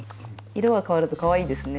色がかわるとかわいいですね。